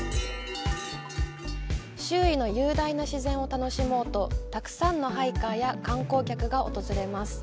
周囲の雄大な自然を楽しもうとたくさんのハイカーや観光客が訪れます。